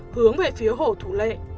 hướng về phía hồ thủ lệ